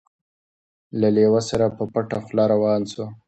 له لېوه سره په پټه خوله روان سو